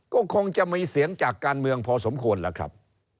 ก็คงจะมีเสียงจากการเมืองพอสมควรล่ะครับ